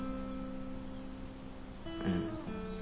うん。